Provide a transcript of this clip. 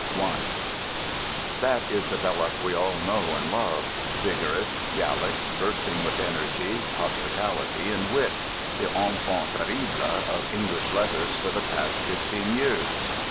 I That is the Belloc we all know and love: vigorous, Gallic, bursting with energy, hospitality, and wit: the enfant terrible of English letters for the past fifteen years.